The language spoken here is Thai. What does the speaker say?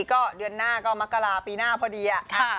ก็เดือนหน้าก็มักกราปีหน้าพอดี